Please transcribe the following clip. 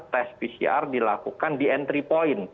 tes pcr dilakukan di entry point